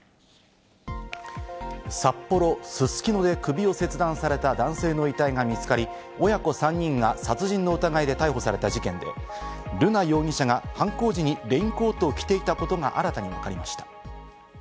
札幌・すすきので首を切断された男性の遺体が見つかり、親子３人が殺人の疑いで逮捕された事件で、瑠奈容疑者が犯行時にレインコートを着ていたことが新たにわかりました。